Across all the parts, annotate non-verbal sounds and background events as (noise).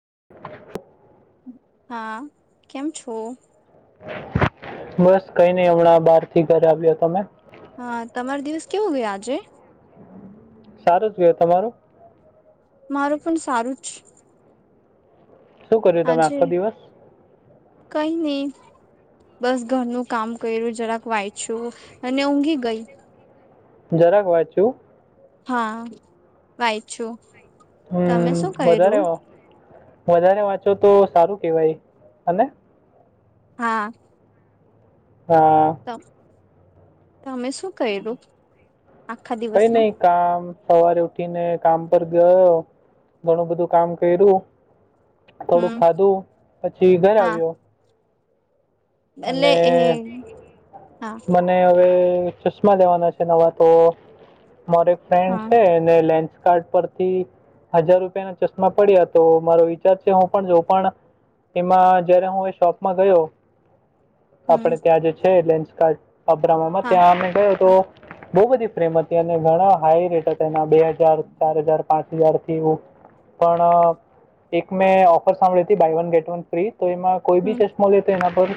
(inaudible) હા કેમ છો. બસ કઈ નઈ હમણાં બહાર થી ઘરે આવ્યા તમે. હા તમારો દિવસ કેવું ગયા આજે. સારું જ જોય તમારું. મારું પણ સારું છે. શું કર્યું તમે હજે આખો દિવસ કઈ નહી. બસ ઘરનું કામ કર્યું જરાક વાયચ્યું અને ઊંઘી ગઈ. જરાક વાત છું. હા વાય છું. હમ વધારે. વધારે વાંચો તો સારું કેવાય અને. હા. હા. તમે શું કર્યું. આખા કઈ દિવસમાં નહી કામ. સવારે ઉઠીને કામ પર ગયો ઘણું બધું કામ કર્યું. થોડુંક હમ ખાધું પછી ઘર હા આવ્યો. એટલે અને એ હા મને હવે. ચશ્મા લેવાના છે નવા તો મારો એક ફ્રેન્ડ હા છે ને લેશ કાર્ડ પરથી હજાર રૂપિયાના ચશ્મા પડ્યા તો મારો વિચાર છે હું પણ જો પણ. એમાં જયારે હું એ શોપમાં ગયો. હમ આપડે ત્યાં જે છે લેશકાડૅ અબ્રમામાં હા ત્યાં અમે ગયો તો. હા બઉ બધી ફ્રેમ હતી અને ઘણા હાઈ રેટ હતા એના બે હજાર ચાર હજાર પાંચ હજાર થી. પણ એક મેં ઓફર સાંભળી હતી buy one get one free. તો એમાં કોઈ બી હમ ચશ્મો લે તો એના પર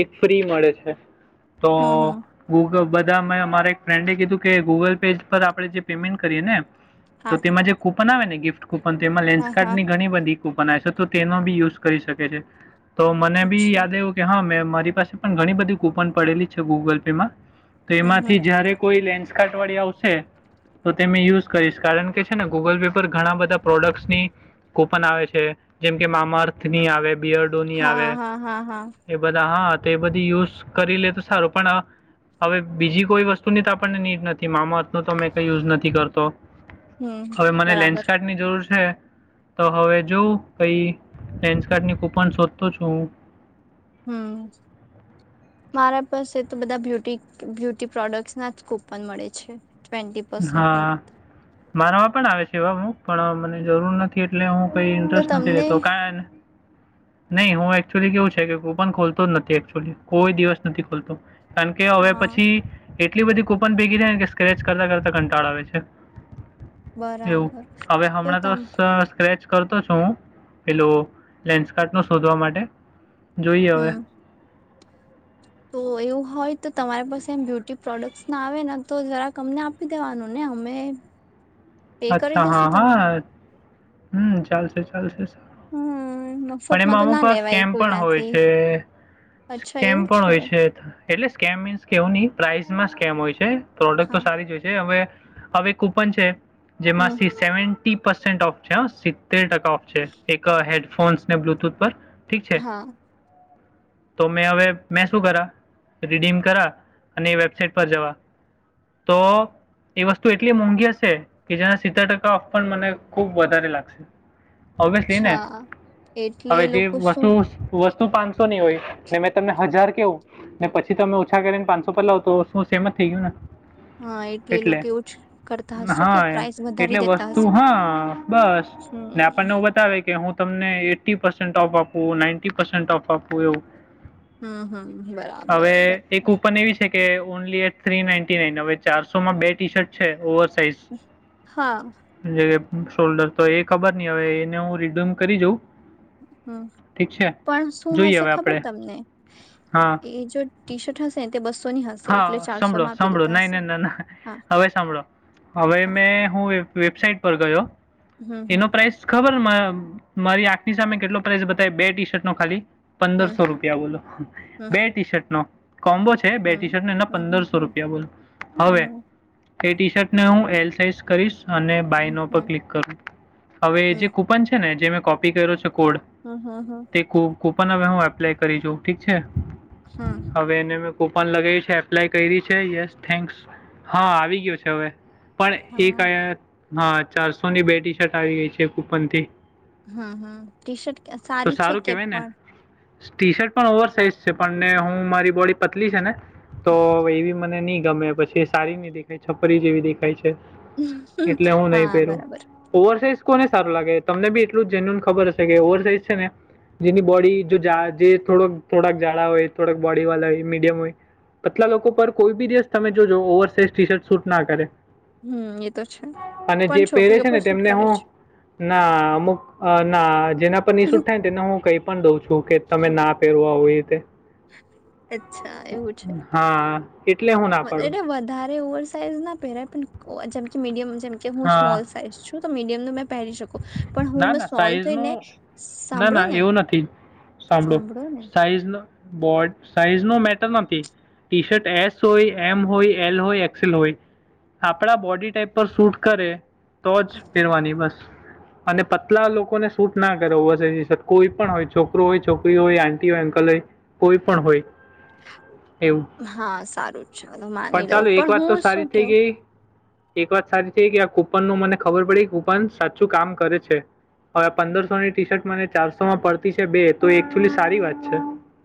એક ફ્રી મળે છે. તો હમ હમ ગૂગલ બસ બધા મેં મારી એક ફ્રેન્ડે કીધું કે ગૂગલ પે પર આપણે જે પેમેન્ટ કરીએ ને. હા તો તેમાં જે કૂપન આવે ને ગિફ્ટ કૂપન તો એમાં હા લેન્સ્કાર્ડ હા ની ઘણી બધી. પણ એસડ તો તેનો બી યુઝ કરી શકે છે તો મને બી અચ્છા યાદ આયવું કે હા, મેં મારી પાસે પણ ઘણી બધી કૂપન પડેલી છે ગૂગલ પેમાં તો હમ હમ એમાંથી જયારે કોઈ લેન્સ ખા અઠવાડયું આવશે. તો તે મેં યુઝ કરીશ કારણ કે છેને ગૂગલ પે પર ઘણાં બધાં પ્રોડક્ટ્સની કૂપન આવે છે. જેમ કે મામાર્થની આવે બિયર્ડોની આવે હા હા હા હા એ બધ હા, તે બધી યુઝ કરી લે તો સારું પણ અ હવે બીજી કોઈ વસ્તુની તો આપણને નીડ નથી મામત તો મેં કઈ યુઝ નથી કરતો હમ હવે મને બરાબર લેન્સકાર્ડની જરૂર છે. તો હવે જોવં કઈ ડેન્સકાર્ડની કૂપન શોધતો છું હું. હમ. મારા પાસે તો બધાં બ્યુટી બ્યુટી પ્રોડક્ટસનાં જ કૂપન મળે છે. ટવેન્ટી પરસન્ટને હા, મારામાં પણ આવે છે એવા હું પણ મને જરૂર નથી એટલે હું કઈ તો ઈન્ટરેસ્ટ નથી તમને લેતો કાન (inaudible) (inaudible) ન‌ઇ હું એકચુઅલી કેવું છેકે કૂપન ખોલતો નથી એકચુઅલી કોઈ દિવસ નથી ખોલતો. કારણ કે હવે હા પછી એટલી બધી કૂપન ભેગી થાયને કે સ્ક્રેચ કરતાં કરતાં કંટાળા આવે છે એવું બરાબર હવે હમણાં તો સ સ્ક્રેચ કરતો છું હું પેલો લેન્સકાર્ડનો ર્શોધવા માટે. જોઈએ હવે. હમ તો એવું હોય તો તમારી પાસે એમ બ્યુટી પ્રોડક્ટનાં આવેને તો જરાક અમને આપી દેવાનુંને. (inaudible) (inaudible) અચ્છા, દેસું હા તમને હા, હમ ચાલશે ચાલશે. હમ પણ મફતમાં એમાં તો અમુક ના વાર લેવાય સ્કેમ પણ હોય કોઈનાથી છે. અચ્છા સ્કેમ એવું પણ હોય છે. એટલે સ્કેમ મીન્સ કેવુંની પ્રાઈઝમાં સ્કેમ હોય છે પ્રોડક્ટ તો હા સારી જ હોય છે હવે હવે કૂપન છે જેમાં હમ સી સેવન્ટી પસેન્ટ ઓફ છે હ તેર ટકા ઓફ છે એક હેડફોન્સને બ્લુટૂથ પર ઠીક છે. હા. તો મેં હવે મે શું કરા રિડીયમ કરા અને વેબસાઇટ પર જવાં. તો એ વસ્તુ એટલી મોંઘી હશે કે જેના સિત્તેર ટકા ઓફર પણ મને ખૂબ વધારે લાગશે. ઓબવિયસલીને અચ્છા એટલે હવે એ જે લોકો શું વસ્તુ વસ તો પાંસોની હોય ને મેં તમને હજાર કેવું ને પછી તમે ઓછા કરીને પાંસો પર લાવ તો શું સેમજ થઈ ગયુંને. હા, એટલે એ લોકો એવું જ કરતાં હશે હા કે પ્રાઈસ એટલે વસ્તુ હા, બસ હમ ને આપણને બતાવે કે હું તમને એટી પસન્ટ ઓફ આપું, નાઈન્ટી પસન્ટ ઓફ આપું એવું. હમ હમ, બરાબર હવે એક બરાબર. કૂપન એવી છે કે only at three ninety nine હવે ચારસોમાં બે ટીશર્ટ છે ઓવરસાઈઝ. હા. શોલ્ડરતો એ ખબરની હવે એને હું રિડ્યુમ કરી જોઉ. હમ. પણ શું જોઈએ હશે હવે ખબર આપણે તમને હા એ જો ટીશર્ટ હશે તે બસોની હા, સાંભળો સાંભળો નાય ના ના ના હા હવે સાંભળો હવે હા મેં હું વેબસાઈટ પર ગયો હમ એનો હમ પ્રાઈસ ખબરમાં મારી આંખની સામે કેટલો પ્રાઈસ બતાય બે ટીશર્ટનો ખાલી. હમ પંદરસો રૂપિયા બોલો હમ બે ટીશર્ટનો કોમ્બો છે બે હમ ટીશર્ટને એના હમ પંદરસો હમ રૂપિયા બોલ, હવે હમ એ ટીશર્ટને હું એલ સાઈઝ કરીશ. અને હમ બાયનો પર હમ ક્લિક કરું હવે જે હમ કૂપન છેને જેમેં કોપી કર્યો છે. કોડ હમ હમ હમ હમ તે કૂપન હવે હું એપ્લાય કરી જોઉ ઠીક છે. હમ હવે એને મે કોપન લગ. છે એપ્લાય કરી છે યસ થેન્ક્સ હા આવી ગયો છે હવે. પણ એક હા હા ચારસો ની બે ટી શર્ટ આવી ગઈ છે કુપન થી. હમ હમ ટી શર્ટ સારી છે સારું કે કહેવાય ને પણ. ટી શર્ટ પણ ઓવર સાઇઝ છે પણને હું મારી બોડી પતલી છે ને તો એવી મને નહી. ગમે પછી સાડી ન દેખાય છપરી જેવી દેખાય છે. એટલે હું હા નહી પેરું બરાબર ઓવરસાઝ. કોને સારું લાગે તમને બી એટલું જ જેન્યુન ખબર હ કે ઓવર સાઇઝ છે ને. જેની બોડી જો જેોડક થોડાક જાડા હોય થોડાક બોડી વાળા હોય મીડિયમ હોય. પટલા લોકો પર કોઈ બી દિવસ તમે જોજો over size T shirt suit ના કરે. હમ એ તો છે અને જે પણ પહેરે છોકરીઓ છે ને પણ શુંટ તેમને કરે હું છે ના અમુક ના જેના પર નિસૂટ થાય ને તેને હું કઈ પણ દઉં છ. શું કે તમે ના પહેરવા હોય તે. અચ્છા એવું છે હા, એટલે હું ના મ પાડું. એને વધારે ઓર. સાઈઝ ના પહેરાય પણ જેમકે મીડિયમ જેમકે હું હા. સ્મોલ સાઈઝ છું તો મીડિયમનું મેં પહેરી શકું. પણ ના હું ના સોલ્વ સાઈઝ નું થઈને ના સાંભળો ના ને એવું નથી. સાંભળો સાઈઝ ન બોર્ડ. સાઈઝ નો મેટર નથી ટી શર્ટ એસ હોય એમ હોય એલ હોય એક્સેલ હોય. આપણા બોડી ટાઈપ પર શૂટ કરે તો જ પેરવાની બસ. અને પતલા લોકોને શૂટ ના કરવું હ કોઈ પણ હોય છોકરો હોય છોકરી હોય આંટી હોય અંકલ હોય. કોઈ પણ હોય. એવું હા સારું ચાલો પણ માની લઉં ચાલો એક વાત તો હું સારી શું થઈ કેવું ગઈ. એક વાત સારી છે કે આ કુપન નું મને ખબર પડીે કુપન સાચું કામ. કરે છે હવે પંદરસોની ટી શર્ટ મને ચારસો માં પડતી છે બે તો એકચુલી સારી વાત છે.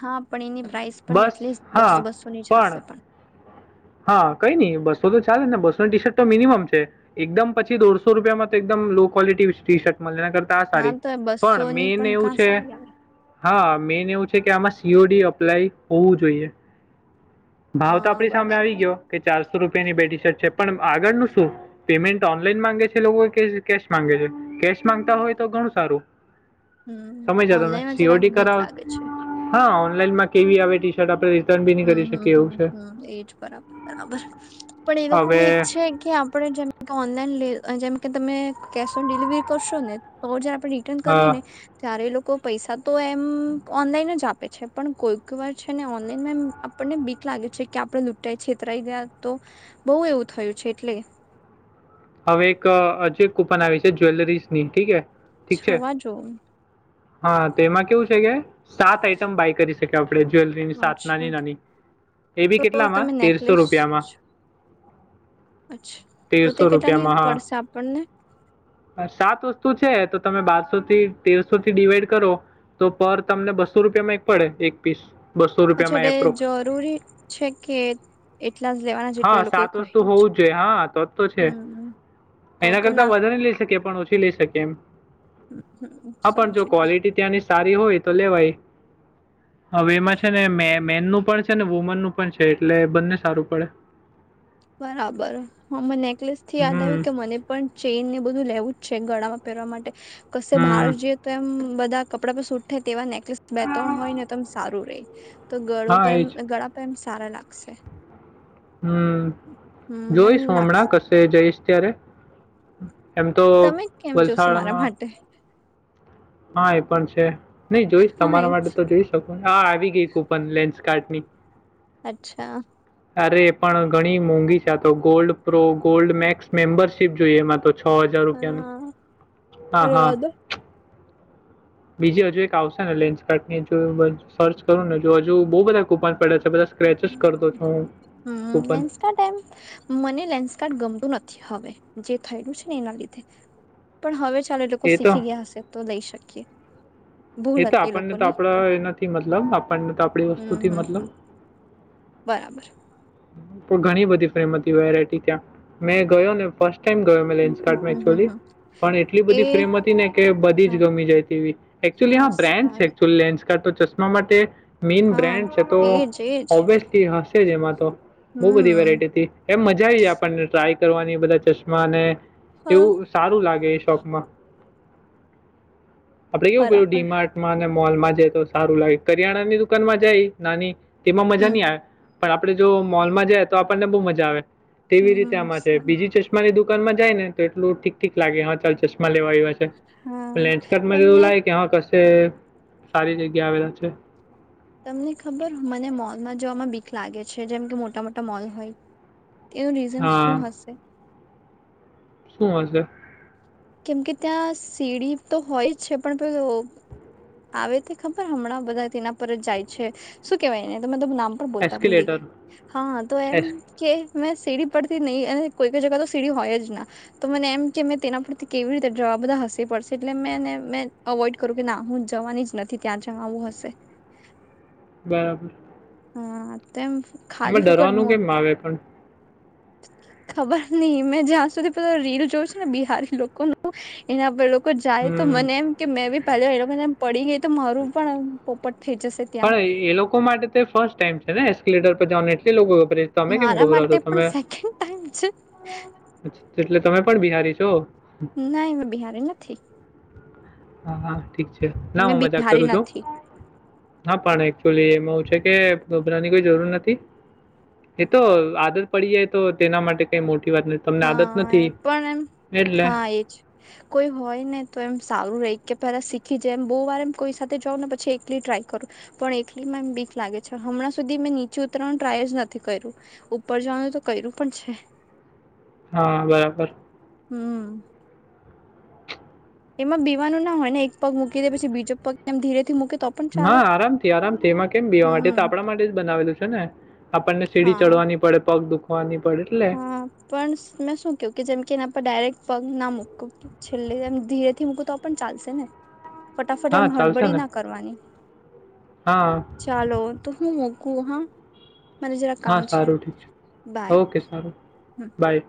હા પણ એની પ્રાઇસ પણ બસ એટલીસ્ટ બસો હા બસોની જ હશે પણ. હા કઈ નઈ બસો તો ચાલે ને બસો ટી શર્ટ તો મિનિમમ છે એકદમ પછી દોઢસો રૂપિયામાં તો એકદમ લો ક્વોલિટી. મ કરતા આ હા સારી તો એ બસો પણ ની મેન એવું કાં છે. સારી આવે હા મેન એવું છે કે આમાં સીઓડી અપ્લાય હોવું જોઈએ. ભાવ તો હા આપડી સામે આવી બરાબર ગયો કે ચારસો રૂપિયાની બેટી શર્ટ છે પણ. આગળનું શું પેમેન્ટ ઓનલાઈન માંગે છે લોકો કેશ માંગે છે. કેશ માંગતા હોય તો ઘણું સારું. હમ્મ સમજ્યા તમે ઓનલાઈનમાં જરાક બીક લાગે છે. ઓલાનમાં કેવી આવે ટી શર્ટ આપણે. રિટર્ન બી નહીં હમ્મ કરી હમ્મ શકીએ એવું હમ્મ છે હમ્મ એજ બરાબર બરાબર. પણ એ હવે લોકોને એક છે, કે આપડણે જેમ કે ઓનલાઈન લ જેમ. કે તમે કેશ ઓન ડિલિવરી કરશો ને તો જયારે આપણે રિટર્ન કરીએ હા ને ત્યારે એ લોકો. પૈસા તો એમ ઓનલાઈન જ આપે છે, પણ કોઈક વાર છે ને ઓનલાઈનમાં એમ આપણને બીક લાગે છે, કે આપડ લૂંટાઈ છેતરાઈ ગયા તો બહુ એવું થયું છે એટલે. હવે એક હજી કૂપન આવી છે, જ્વેલરીઝ ની ઠીકે. છવા જૂન. હા, તો એમાં કેવું છે કે સાત આઈટમ બાય કરી શકે આપ. આપણે જ્વેલરીની સાત નાની અચ્છા નાની એ બી તો કેટલામાં તમે તેરસો નેકલેસ રૂપિયામાં. અચ્છા તો તે. તેરસો કેટલાની રૂપિયામાં પડશે આપણને હા સાત વસ્તુ છે. તો તમે બારસો થી તેરસો થી ડિવાઈડ કરો. તો પર તમને બસ્સો રૂપિયામાં એક પડે એક પીસ. બસો અચ્છા રૂપિયામાં એટલે એપ્રોક્સ જરૂરી છે, કે એટલા જ લેવાના હા, જેટલું એ લોકોએ સાત વર્ષ તોુ કહ્યું છે. હોવું જ જોઈએ હા તો તો હમ તો એના તો કરતા ના વધારે લઈ શકે પણ ઓછી લઈ શકી એમ. હમ હા, પણ જો સમજી ગઈ ક્વોલિટી ત્યાંની સારી હોય તો લેવાય. હવે એમાં છે ને મેનનું પણ છે ને વુમનનું પણ છે, એટલે બંને સારું પડે બરાબર હ અમે નેકલેસ થી યાદ આવ્યું હમ કે મને પણ ચેઇન ને બધું લેવું જ છે, ગણા પરવા માટે કશે બહાર હમ જઈએ, તો એમ બધા કપડા પર સટ થાય તેવા નેક્ બે ત્રણ હોય ને તમ સારું રે તો હા ગળું એ જ ગળા પ્રેમ સારા લાગશે, હમ્મ હમ એમ જોઈશું લાગશે હમણાં કશે જઈશ, ત્યારે એમ તો તમે કેમ જોશો મારા વલસાડમાં માટે હા એ પણ છે નહી જોઈશ, હા એ તમારા માટે તો જોઈ શકોને આ આવી ગઈ કુપન લેન્સ કાટની અચ્છા અરે પણ ઘણી મોંઘી છે, તો gold pro gold max membership જોઈએ, એમાં તો છ હજાર રૂપિયાનું હા હા હા રેવા દો (inaudible) બીજી હજુ એક આવશે ને લેન્સ કાર ની સર્ચ કરું ને જો હજુ બહુ બધા કુપન પડે છે, બધા સ્ક્રેચસ કરતો છું, હમ્મ કૂપન. લેન્સ કારડ એમ મને લેન્સકારડ ગમતું નથી હવે. જે થયેલું છે ને એના લીધે પણ હવે ચાલે લોકો એ તો શીખી ગયા હશે તો લઈ શકીએ, એ ભૂલ તો હતી આપણને તો લોકોની આપણા એ નથી મતલબ આપણને તો આપડી હમ વસ્તુથી હમ મતલબ હમ બરાબર પણ ઘણી બધી ફ્રેમ હતી વેરાયટી ત્યાં મેં ગયો ને ફસ્ટ ટાઈમ ગયો મે લ હમ એન્ટ હમ હમ હમ એકક્ચુઅલી હમ પણ એટલી એ બધી ફ્રેમ હતી ને કે બધી જ હા ગમી જાય તેવી, હા હ બ્રેન્ડ છે, સારું એકચુઅલી લેન્સ કાર તો ચશ્મા માટે મેીન હા બ્રાન્ડ છે, તો એજ એજ ઓબ્વિયસલી હશે જ એમાં તો બહ બધી હમ વેરાયટી હતી એમ મજા આવી જાય આપણને ટ્રાય કરવાની બધા ચશ્માને હા એવું સારું લાગે એ શોપમાં, આપડે કેવું બરાબર ડીમાર્ટમાં અને મોલમાં જાય તો સારું લાગે કરિયાણા ની દુકાનમાં જાય નાની તેમાં મજા હમ નહી, આવે પણ આપડે જો મોલમાં જાય તો આપણને બહુ મજા આવે, તેવી રીતે હમ આમાં છે સારું બીજી ચશ્માની દુકાનમાં જાય ને એલું ઠીક ઠીક લાગે હા ચાલ ચશ્મા હા લેન્ચ કટમાં જેવું તમને લાયક કશે સારી જગ્યા આવેલા છે તમને ખબર મને મોલમાં જોવામાં બીખ લાગે છે જેમ કે મોટા મોટા મોલ હોય એવું રીઝન હા શું હશે શું હશે કેમ કે ત્યાં સીડી તો હોય જ છે પણ પ આવે તે ખબર હમણાં બધા તેના પર જ જાય છે શું કેવાયનેમે બોલતા ભૂલી એસ્કલેટર ગઈ હા તો એમ એસ કે મેં સીડી પરથી નહીં અને કોઈ કઈ જગા તો સીડી હોય જ ના તો મને એમ કે મેં તેના પરથી કેવી રીતે જવા બધા હસી પડશે એટલે મેને મેં અવોઈડ કરું કે ના હું જવાની જ નથી ત્યાં જવા આવુંશે હ બરાબર હા તેમ એમાં ખાલી ફોકટ ડરવાનું કેમ મોટી આવે પણ ખબર નહ મેં જ્યાં સુધી પ રીલ જોય છે ને બિહારી લોકોનું એના પર જાય તો હમ મને એમ કે મેં બી પહેલા એ લોકોને પડી ગઈ તો મારું પણ પોપ પણ એ લોકો માટે તે ફર્સ્ટ ટાઈમ છે ને એસ્કલેટર પર જવાનું એટલે લોકો તમે કેમ મારા ગબરાતો માટે પણ તમે સેકન્ડ ટાઈમ છે એટલે તમે પણ બિહારી છો ના એમાં બિહારી નથી હા હા ઠીક છે ના મેં હું મજાક બિહારી કરું છું. નથી હા પણ એકચુલી એમાં હું છે કે કોઈ જરૂર નથી. એ તો આદત પડી જાય તો તેના માટે વાત નથી. તમને આદત હા નથી પણ એમ એટલે. હા એજ કોઈ હોય ને તો એમ સારું રેય કે પેલા શીખી જેમ બો વાર એમ કોઈ સાથે જાઉ ને પછી એકલી ટ્રાય કરું પણ એકલી માં એમ બીક લાગે છે. હમણાં સુધી મેં નીચે ઉતરવાનું ટ્રાય જ નથી કર્યું. ઉપર જવાનું તો કર્યું પણ છે. હા બરાબર હમ એમાં બીવાનું ના હોય ને એક પગ મૂકી દે પછી બીજો પગ એમ ધીરેથી મૂ હા આરામથી આરામથી એમાં કેમ બીવા માટે તો હમ આપણા માટે જ બનાવેલું છે ને. આપણને સીડી હા ચડવાની પડે પગ દુઃખ હા પણ મેં શું કેવ કે જેમ કે એના પર ડાયરેક્ટ ના મૂકું. છેલ્લે એમ ધીરે થી મૂકું તો પણ ચાલશે ને. ફટાફટ હા એમ ચાલશે હળબડી ને. ના કરવાની હા, ચાલો તો હું મોક કુ હા મને જરા હા કામ છે સારું ઠીક બાય. ઓકે હ બાય.